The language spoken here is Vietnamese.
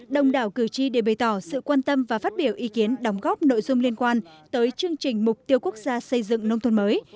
đồng đảo cử tri đều bày tỏ sự quan tâm và phát biểu ý kiến đóng góp nội dung liên quan tới chương trình mục tiêu quốc gia xây dựng nông thôn mới